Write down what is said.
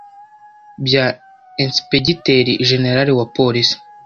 bya Ensipegiteri Jenerali wa Polisi